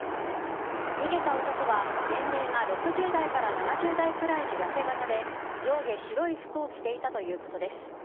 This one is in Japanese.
逃げた男は年齢が６０代から７０代くらいのやせ形で上下白い服を着ていたということです。